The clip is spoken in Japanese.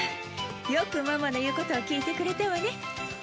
よくママの言うことを聞いてくれたわね。